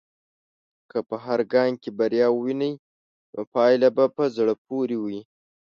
که په هر ګام کې بریا ووینې، نو پايله به په زړه پورې وي.